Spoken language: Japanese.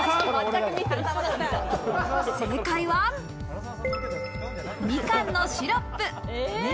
正解はみかんのシロップ。